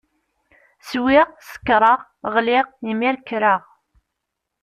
Swiɣ, sekṛeɣ, ɣliɣ, imir kreɣ.